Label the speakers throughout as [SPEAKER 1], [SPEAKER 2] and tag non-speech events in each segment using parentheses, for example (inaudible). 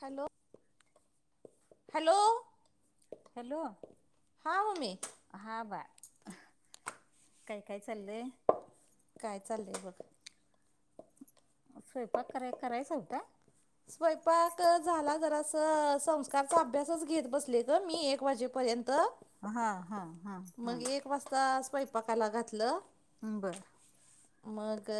[SPEAKER 1] Hello hello
[SPEAKER 2] hello.
[SPEAKER 1] हां mummy
[SPEAKER 2] हा बा काय काय चाललंय
[SPEAKER 1] काय चाललंय बघ
[SPEAKER 2] स्वयंपाक कराय करायचा होता.
[SPEAKER 1] स्वयंपाक झाला जरा संस्कारचा अभ्यासच घेत बसले मी एक वाजे पर्यंत.
[SPEAKER 2] हा हा. हा
[SPEAKER 1] मग एक वाजता स्वयंपाकाला घातलं.
[SPEAKER 2] हम बर.
[SPEAKER 1] मग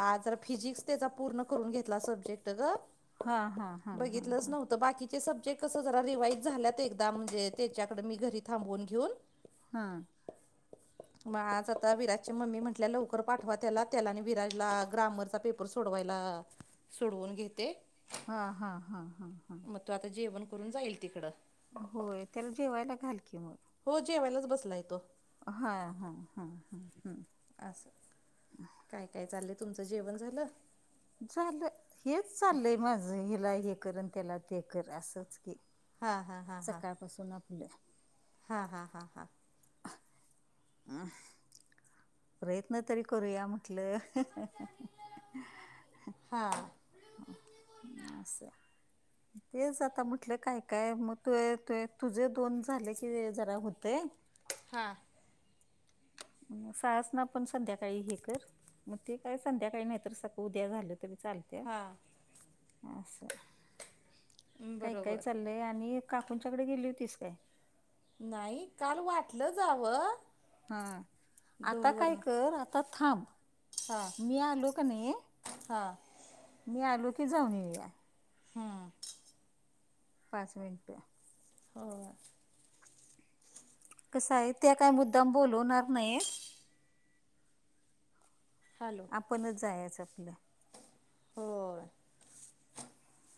[SPEAKER 1] आज जरा फिजिक्स त्याचा पूर्ण करून घेतला सब्जेक्ट ग.
[SPEAKER 2] हा हा हा हा
[SPEAKER 1] बघितलंच नव्हतं बाकी ते सब्जेक्ट कसं जरा रिवाईज झाल्यात एकदा म्हणजे त्याच्याकड मी घरी थांबून घेऊन.
[SPEAKER 2] हं
[SPEAKER 1] मग आज आता विराजची मम्मी म्हटल्या लवकर पाठवा त्याला त्याला आणि विराजला ग्रामर चा पेपर सोडवायला सोडवून घेते.
[SPEAKER 2] हं हं हं हं.
[SPEAKER 1] मग तो आता जेवण करून जाईल तिकडं.
[SPEAKER 2] होय त्याला जेवायला घाल की मग.
[SPEAKER 1] हो जेवायलाच बसलाय तो.
[SPEAKER 2] हा ह ह ह ह. हम.
[SPEAKER 1] असं असं काय काय चाललंय तुमचं जेवण झालं.
[SPEAKER 2] झालं हेच चाललय माझं हिला हे कर आणि त्याला ते कर असंच की.
[SPEAKER 1] हा हा
[SPEAKER 2] सकाळपासून आपलं.
[SPEAKER 1] हा हा हा हा.
[SPEAKER 2] अ प्रयत्न तरी करुया म्हटलं.
[SPEAKER 1] हा.
[SPEAKER 2] असं. तेच आता म्हटलं काय काय मग तुए तू तुझे दोन झाले की जरा होतंय.
[SPEAKER 1] हां
[SPEAKER 2] सहस ना पण संध्याकाळी हे कर. मग ते काय संध्याकाळी नाही तर सक सगळं उद्या झालं तरी चाल. तेय
[SPEAKER 1] हां
[SPEAKER 2] अस काही काय
[SPEAKER 1] बरोबर
[SPEAKER 2] चाललं? य आणि काकूंच्या कडे गेली होतीस काय?
[SPEAKER 1] नाई काल वाटलं जावं.
[SPEAKER 2] हा आता काय
[SPEAKER 1] ढोलवरनं
[SPEAKER 2] कर आता थांब.
[SPEAKER 1] हां
[SPEAKER 2] मी आलो क नी
[SPEAKER 1] हां
[SPEAKER 2] मी आलो की जाऊन ये या.
[SPEAKER 1] हम्म.
[SPEAKER 2] पाच मिनट.
[SPEAKER 1] हो हो.
[SPEAKER 2] कस आहे त्या काय मुद्दाम बोलवणार नाहीत. आपणच जायच आपलं.
[SPEAKER 1] हो.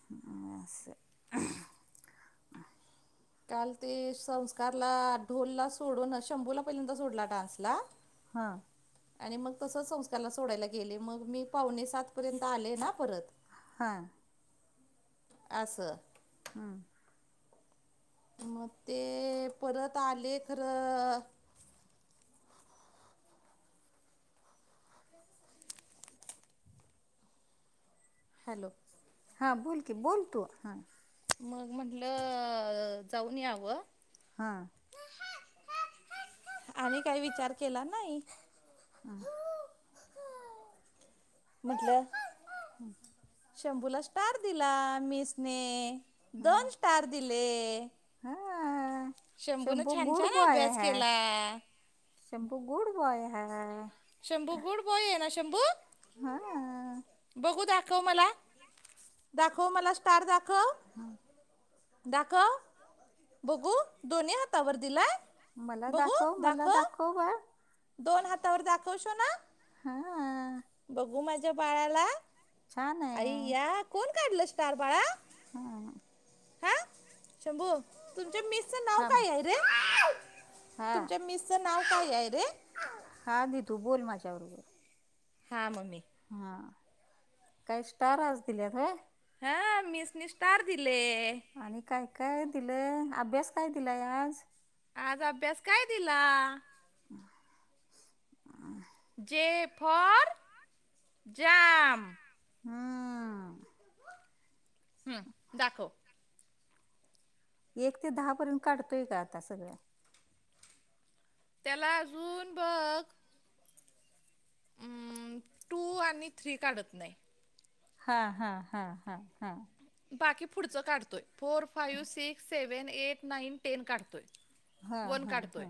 [SPEAKER 2] ह हे असं
[SPEAKER 1] काल ते संस्कारला ढोलला सोडून शंभूला पहिल्यांदा सोडला डान्स ला.
[SPEAKER 2] हं.
[SPEAKER 1] आणि मग तसं संस्कारला सोडायला गेले मग मी पावणे सात पर्यंत आले ना परत.
[SPEAKER 2] हा.
[SPEAKER 1] असं.
[SPEAKER 2] हम्म.
[SPEAKER 1] मग ते परत आले खरं. हॅलो
[SPEAKER 2] हा बोल की बोल तू, हा.
[SPEAKER 1] मग म्हणलं जाऊन यावं.
[SPEAKER 2] हा.
[SPEAKER 1] हट्ट हट्ट हटट हट्ट आम्ही काय विचार केला नाही.
[SPEAKER 2] हा.
[SPEAKER 1] म्हटलं.
[SPEAKER 2] (inaudible)
[SPEAKER 1] शंभूला स्टार दिला मिसने दोन स्टार दिले ए.
[SPEAKER 2] हा शंभू
[SPEAKER 1] छान
[SPEAKER 2] गुड
[SPEAKER 1] छान
[SPEAKER 2] बॉय
[SPEAKER 1] अभ्यास
[SPEAKER 2] है.
[SPEAKER 1] केला
[SPEAKER 2] शम्पू गुड बॉय है.
[SPEAKER 1] शंभू गुड बॉय येना शंभू?
[SPEAKER 2] हा
[SPEAKER 1] बघू दाखव मला. दाखव मला स्टार दाखव
[SPEAKER 2] हा.
[SPEAKER 1] दाखवा बघू दोन्ही हातावर दिलाय?
[SPEAKER 2] मला दाखव मला दाखव बाळ.
[SPEAKER 1] दोन हातावर दाखव शोना.
[SPEAKER 2] हा.
[SPEAKER 1] बघू माझ्या बाळाला,
[SPEAKER 2] छान आहे
[SPEAKER 1] ऐय्या कोण काढलं स्टार बाळा?
[SPEAKER 2] हा.
[SPEAKER 1] हा, शंभू तुमच्या मिस
[SPEAKER 2] थांबा.
[SPEAKER 1] अ रे तुमच्या मिसच नाव काय आहे रे?
[SPEAKER 2] हा देतो बोल माझ्याबरोबर.
[SPEAKER 1] हा मम्मी.
[SPEAKER 2] हा. काय स्टार आज दिल्यात व्हय?
[SPEAKER 1] हा मिसने स्टार दिले.
[SPEAKER 2] आणि काय काय दिलंय, ‌अभ्यास काय दिलाय आज?
[SPEAKER 1] आज अभ्यास काय दिला?
[SPEAKER 2] (inaudible)
[SPEAKER 1] जे फॉर जाम.
[SPEAKER 2] हम्म.
[SPEAKER 1] हं दाखवं.
[SPEAKER 2] एक ते दहा पर्यंत काढतोय का आत्ता सगळं?
[SPEAKER 1] त्याला अजून बघ हं टु आणि थ्री काढत नाही.
[SPEAKER 2] हा हा हा हा हा.
[SPEAKER 1] बाकी पुढचं काढतोय. Four, five, six, seven, eight, nine, ten काढतोय.
[SPEAKER 2] हा
[SPEAKER 1] वन
[SPEAKER 2] हा हा
[SPEAKER 1] काढतोय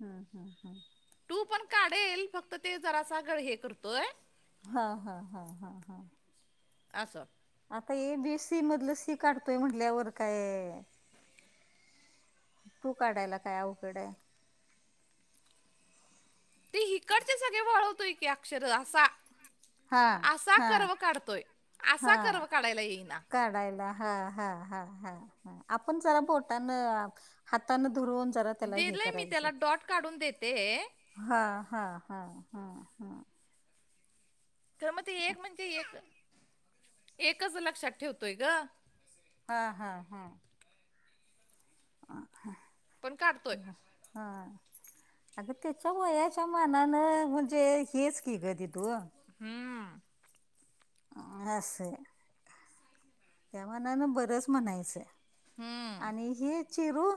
[SPEAKER 2] हा हा हा.
[SPEAKER 1] टु पण काढेल फक्त जरासं अगं हे करतोय
[SPEAKER 2] हा हा हा हा.
[SPEAKER 1] असं.
[SPEAKER 2] आत्ता ए बी सी मधलं सी काढतोय म्हंटल्यावर काय टु काढायला काय अवघड हाय.
[SPEAKER 1] ती हिकडची सगळी वळवतोय की अक्षर असा
[SPEAKER 2] हा
[SPEAKER 1] असा
[SPEAKER 2] हा
[SPEAKER 1] कर्व काढतोय,
[SPEAKER 2] हा
[SPEAKER 1] असा कर्व काढायला येईना.
[SPEAKER 2] काढायला हा हा हा हा हा हा. आपण जरासं बोटानं आ हातानं धरून जरा त्याला हे
[SPEAKER 1] दिलंय मी
[SPEAKER 2] करायचं.
[SPEAKER 1] त्याला डॉट काढून देते
[SPEAKER 2] हा हा हा हा हा.
[SPEAKER 1] तर म्हणजे एक म्हणजे एक एकच लक्षात ठेवतोय ग.
[SPEAKER 2] हा हा हा.
[SPEAKER 1] पण काढतोय
[SPEAKER 2] हा. अगं त्याच्या वयाच्या मानानं म्हणजे हेच की ग दिदु
[SPEAKER 1] हम्म.
[SPEAKER 2] असं आहे. त्या मानानं बरच म्हणायचं.
[SPEAKER 1] हम्म
[SPEAKER 2] आणि ही चिरू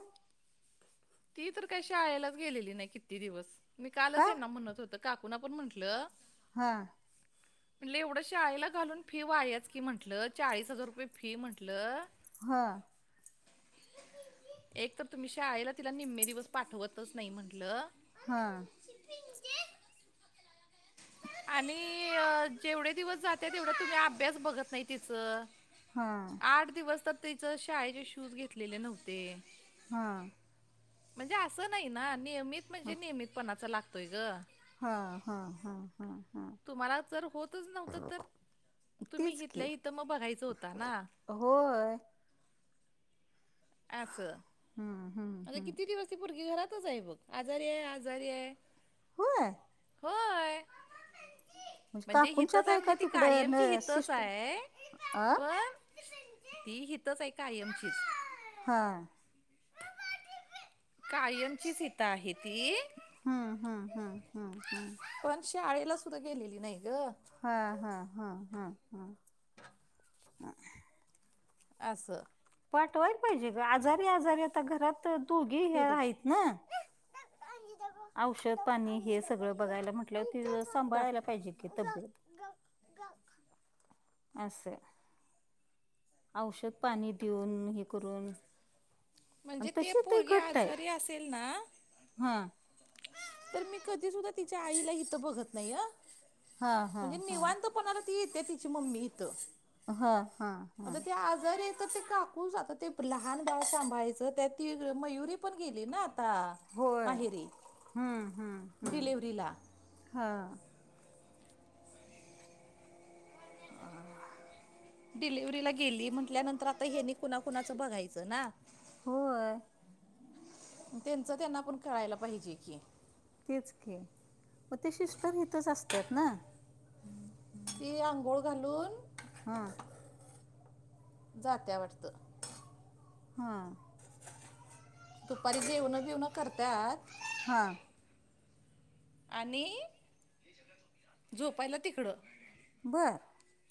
[SPEAKER 1] ती तर काही शाळेलाच गेलेली नाही किती दिवस. मी
[SPEAKER 2] का
[SPEAKER 1] कालच यांना म्हणत होतं काकूंना पण म्हंटलं
[SPEAKER 2] हा.
[SPEAKER 1] म्हंटल एवढं शाळेला घालून फी वायाच की म्हंटल, चाळीस हजार रुपये फी म्हंटलं.
[SPEAKER 2] हा.
[SPEAKER 1] एक तर तुम्ही शाळेला तिला निम्मे दिवस पाठवतच नाही म्हंटलं.
[SPEAKER 2] हा.
[SPEAKER 1] आणि जेवढे दिवस जाते, तेवढं तुम्ही अभ्यास बघत नाही तिचं.
[SPEAKER 2] हां.
[SPEAKER 1] आठ दिवस तर तिच शाळेचे शूज घेतलेले नव्हते.
[SPEAKER 2] हा.
[SPEAKER 1] म्हणजे असं नाही ना, नियमित म्हणजे नियमितपणाचा लागतोय ग.
[SPEAKER 2] हा हा हा..
[SPEAKER 1] तुम्हाला जर होतच नव्हतं तर तुम्ही
[SPEAKER 2] तेच की.
[SPEAKER 1] इथल्या हितं बघायचं होतं ना.
[SPEAKER 2] होय!
[SPEAKER 1] आच.
[SPEAKER 2] हम्म हम्म हम्म.
[SPEAKER 1] ती पोरगी घरातच आहे बघ, आजारी आहे आजारी आहे.
[SPEAKER 2] होय.
[SPEAKER 1] होय. म्हणजे हितच
[SPEAKER 2] काकूंच्यात
[SPEAKER 1] आहे, म्हणजे
[SPEAKER 2] का
[SPEAKER 1] ती
[SPEAKER 2] तिकडं
[SPEAKER 1] कायमची
[SPEAKER 2] न
[SPEAKER 1] हितच
[SPEAKER 2] सिस्टर
[SPEAKER 1] आहे
[SPEAKER 2] आ?
[SPEAKER 1] पण. ती हितच आहे, कायमचीच.
[SPEAKER 2] हां.
[SPEAKER 1] कायमचीच इथं आहे ती
[SPEAKER 2] हम्म हम्म हम्म.
[SPEAKER 1] पण शाळेला सुद्धा गेलेली नाही ग.
[SPEAKER 2] हा हा हा.. (inaudible)
[SPEAKER 1] असं.
[SPEAKER 2] पाठवायला पाहिजे ग, आजारी आजारी आता घरात दोघी हे आहेत ना? औषध पाणी हे सगळं बघायला म्हटलं, सांभाळायला
[SPEAKER 1] दाखव
[SPEAKER 2] पाहिजे की तब्येत अस, औषध पाणी देऊन हे करून आणि
[SPEAKER 1] म्हणजे ती
[SPEAKER 2] तशी
[SPEAKER 1] पोरगी
[SPEAKER 2] घट्ट आहे.
[SPEAKER 1] आजारी असेल ना,
[SPEAKER 2] हां.
[SPEAKER 1] तर मी कधी सुद्धा तिच्या आईला इथं बघत नाही अ.
[SPEAKER 2] हां, हां,
[SPEAKER 1] म्हणजे
[SPEAKER 2] हां.
[SPEAKER 1] निवांत पणाला, ती इथे तिची मम्मी इथं.
[SPEAKER 2] हां, हां, हां.
[SPEAKER 1] आता ते आजार येत, ते काकूच आता, ते लहान बाळ सांभाळायचं.. त्या ती मयुरी पण गेली ना आता.
[SPEAKER 2] होय.
[SPEAKER 1] माहेरीे,
[SPEAKER 2] हं, हं, हं.
[SPEAKER 1] डिलिव्हरीला.
[SPEAKER 2] हां. अ (unintelligible)
[SPEAKER 1] डिलिव्हरीला गेली म्हंटल्यानंतर, आता हेनी कुणाकुणाचं बघायचं ना!
[SPEAKER 2] होय.
[SPEAKER 1] त्यांचं त्यांना पण कळायला पाहिजे की.
[SPEAKER 2] तेच की, मग ते सिस्टर इथच असतात ना?
[SPEAKER 1] ती आंघोळ घालून.
[SPEAKER 2] हा.
[SPEAKER 1] जात्या वाटत.
[SPEAKER 2] हा.
[SPEAKER 1] दुपारी जेवण बिवणं करतात.
[SPEAKER 2] हां.
[SPEAKER 1] आणि झोपायला तिकडं
[SPEAKER 2] बरं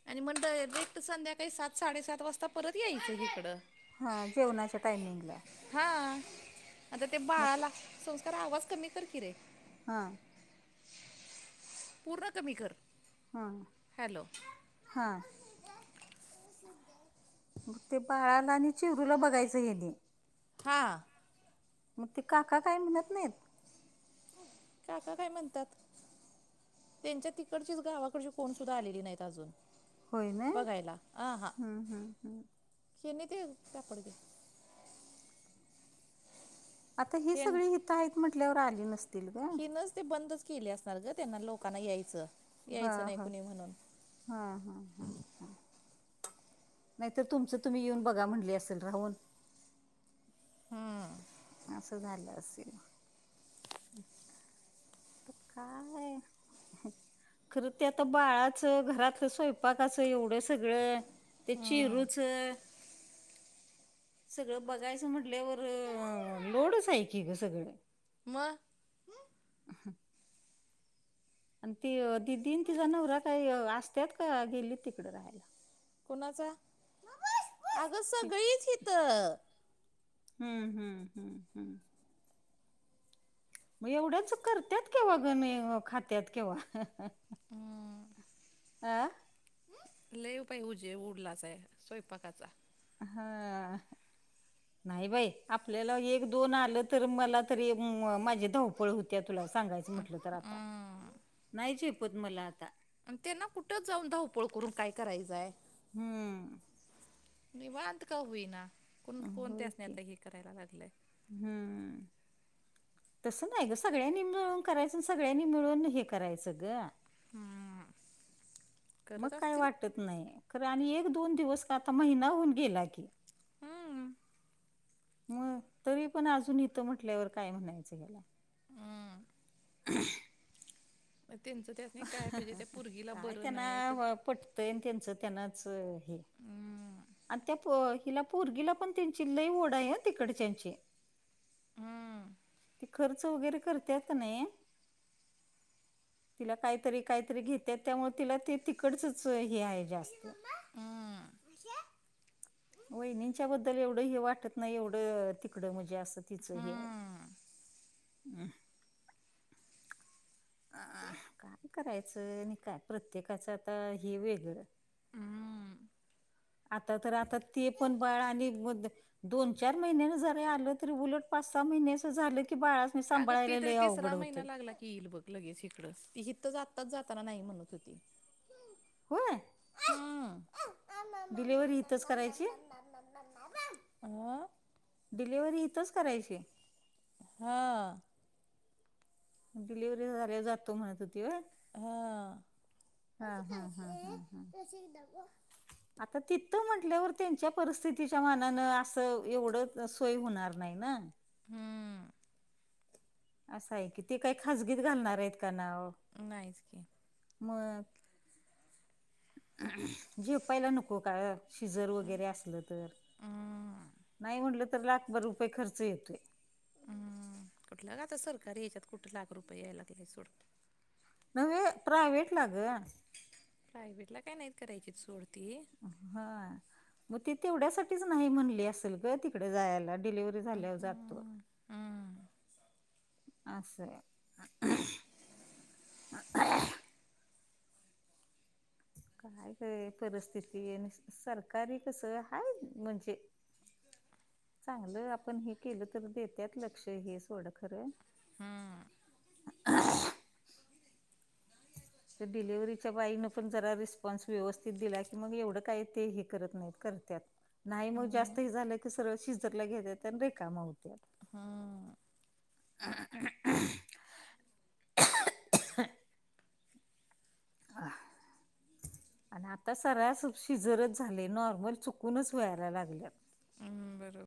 [SPEAKER 1] आणि मग डायरेक्ट संध्याकाळी सात- साडेसात वाजता परत यायचं हिकडं.
[SPEAKER 2] हा जेवणाच्या टायमिंगला
[SPEAKER 1] हा आता ते
[SPEAKER 2] मग
[SPEAKER 1] बाळाला संस्कार आवाज कमी कर की रे.
[SPEAKER 2] हां
[SPEAKER 1] पूर्ण कमी कर.
[SPEAKER 2] हा.
[SPEAKER 1] हॅलो
[SPEAKER 2] हा. मग ते बाळाला आणि चिरुला बघायचं त्यांनी.
[SPEAKER 1] हां.
[SPEAKER 2] मग ते काका काय म्हणत नाहीत.
[SPEAKER 1] काका काय म्हणतात. त्यांच्या तिकडचीच गावाकडची कोण सुद्धा आलेली नाहीत अजून.
[SPEAKER 2] होय ना?
[SPEAKER 1] बघायला आ हा
[SPEAKER 2] हं, हं, हं.
[SPEAKER 1] शेनी ते पड (unintelligible)
[SPEAKER 2] आता ही
[SPEAKER 1] हेन
[SPEAKER 2] सगळी हितं आहेत म्हंटल्यावर आली नसतील का?
[SPEAKER 1] हिनच ते बंदच केले असणार ग त्यांना लोकांना यायचं.
[SPEAKER 2] हा
[SPEAKER 1] यायचं नाही
[SPEAKER 2] हा
[SPEAKER 1] कुणी म्हणून
[SPEAKER 2] हा हा. हा हा. नाही तर तुमचं तुम्ही येऊन बघा म्हणले असेल राहून.
[SPEAKER 1] हम्म.
[SPEAKER 2] असं झालं असेल काय खरं ते आता बाळाचं घरातलं स्वयंपाकाचं एवढं सगळं. ते चीरुच सगळं बघायचं म्हटल्यावर लोडच हाय की ग सगळं.
[SPEAKER 1] मग.
[SPEAKER 2] हम आणि ती दीदीं तिचा नवरा काही असत्यात का गेली तिकड राहायला.
[SPEAKER 1] कोणाचा अग
[SPEAKER 2] ती
[SPEAKER 1] सगळीच हितं.
[SPEAKER 2] हम्म हम्म हम्म. मग एवढ्याच करतत केव्हा गमी खात्यात केव्हा
[SPEAKER 1] हम
[SPEAKER 2] आं
[SPEAKER 1] लेय पाहि उजे उरलाच आहे स्वयंपाकाचा.
[SPEAKER 2] हा नाही बाई आपल्याला एक दोन आलं तर मला तरी माझे धाव. ळ होत्या तुला सांगायचं म्हटलं तर आता नाही जपत मला आता.
[SPEAKER 1] आणि त्यांना कुठंच जाऊन धावपळ करून काय करायचंय.
[SPEAKER 2] हम्म
[SPEAKER 1] निवांत का होईना कोण कोणत्या
[SPEAKER 2] होय
[SPEAKER 1] असणे
[SPEAKER 2] की
[SPEAKER 1] आता हे करायला लागलंय.
[SPEAKER 2] हम्म. तसं नाही ग सगळ्यांनी मिळून करायच सगळ्यांनी मिळून हे करायचं ग. मग
[SPEAKER 1] करत
[SPEAKER 2] काय
[SPEAKER 1] असतील
[SPEAKER 2] वाटत नाही खर आणि एक दोन दिवस का आता महिना होऊन गेला की इ.
[SPEAKER 1] हम्म
[SPEAKER 2] मग तरी पण अजून इथं म्हटल्यावर काय म्हणायचं.
[SPEAKER 1] हम्म
[SPEAKER 2] अ
[SPEAKER 1] त्यांचं त्या नाही काय पाहिजे त्या पोरगीला बरं नाही तर.
[SPEAKER 2] तन त्यांचं त्यांनाच हे
[SPEAKER 1] हम्म
[SPEAKER 2] आणि त्या हिला पोरगीला पण त्यांची लई ओढ आहे ना तिकडच्याची.
[SPEAKER 1] ह
[SPEAKER 2] खर्च वगैरे करतेेत की नाही तिला काहीतरी काहीतरी घेतात त्यामुळे तिला ते तिकडचच हे आहे जास्त.
[SPEAKER 1] हम्म
[SPEAKER 2] वहिणींच्या बद्दल एवढं हे वाटत नाही एवढं त. इकड म्हणजे असं तिच
[SPEAKER 1] हम्म
[SPEAKER 2] हम्म. अ काय करायचं आणि काय प्रत्येकाच आता हे वेगळं.
[SPEAKER 1] हम्म
[SPEAKER 2] आता तर आता ते पण बाळ आणि म. दोन चार महिन्यान जर आलं तरी उलट पाच सहा महिन्या अस झालं की बाळा
[SPEAKER 1] अगं ती तरी तिसरा महिना लागला की येईल बघ. लगेच हिकडंच ती तर आत्ताच जाताना नाही म्हणत होती.
[SPEAKER 2] होय?
[SPEAKER 1] हम्म.
[SPEAKER 2] डिलिव्हरी इथंच करायची.
[SPEAKER 1] हा?
[SPEAKER 2] डिलवर्ही इथंच करायची.
[SPEAKER 1] हा.
[SPEAKER 2] डिलिव्हरी झाल्या जातो म्हणात होती व्हय.
[SPEAKER 1] हा.
[SPEAKER 2] हा हा, हा हा हा. आता तिथं म्हटल्यावर, त्यांच्या परिस्थितीच्या मनानं असं एवढं सोय होणार नाही ना.
[SPEAKER 1] हम्म.
[SPEAKER 2] असं आहे की, ते काही खाजगीत घालणार आहेत का नाव?
[SPEAKER 1] नाहीच की.
[SPEAKER 2] मग झेपायला नको का ग? शिजर वगैरे असल तर?
[SPEAKER 1] हम्म
[SPEAKER 2] नाही म्हटलं तर लाखभर रुपये खर्च येतोय.
[SPEAKER 1] हम्म, कुठल का आता सरकारी याच्यात कुठे लाख रुपये यायला तय सोडत.
[SPEAKER 2] नव्हे प्रायव्हेटला ग.
[SPEAKER 1] प्रायव्हेटला काय नाहीत करायची सोडती.
[SPEAKER 2] हा. मग ती तेवढ्यासाठीच नाही म्हणली असेल तिकडे जायला डिलिव्हरी झाल्यावर जातो. (inaudible) असंय. (unintelligible) काय काय परिस्थिती आणि सरकारी कसं हाय म्हणजे. चांगलं आपण हे केलं तर, देतेत लक्ष हे सोड खरं. तर डिलेव्हरीच्या बाईनं पण जरा रिस्पॉन्स व्यवस्थित दिला की, मग एवढं काय ते हे करत नाहीत करतेत. नाही मग जास्त हे झालं की सरळ शिजरला घेत आणि रिकाम होत.
[SPEAKER 1] हम्म.
[SPEAKER 2] (unintelligible) (unintelligible) हा आणि आता सरास शिजरच झाले, नॉर्मल चुकूनच व्हायला लागल्यात.
[SPEAKER 1] हम्म बरोब